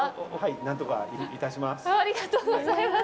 何とかいたします。